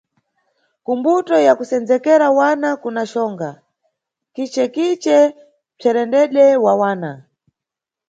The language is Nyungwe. Kumbuto ya kusendzekera wana kuna xonga, nkixekixe, mʼpsherendende wa wana.